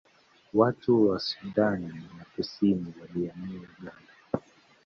Watu wa Sudani ya Kusini walihamia Uganda